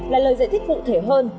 là lời giải thích cụ thể hơn